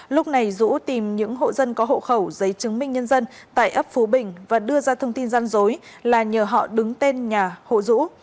lúc này dũ tìm những hộ dân có hộ khẩu giấy chứng minh nhân dân tại ấp phú bình và đưa ra thông tin gian dối là nhờ họ đứng tên nhà hộ dũ